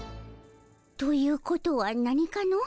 ということはなにかの？